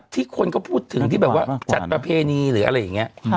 ที่คนก็พูดถึงจัดประเพณีหรืออะไรอย่างนี้